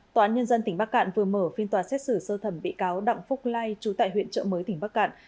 tòa án nhân dân tỉnh bắc cạn vừa mở phiên tòa xét xử sơ thẩm bị cáo đặng phúc lai trú tại huyện trợ mới tỉnh bắc cạn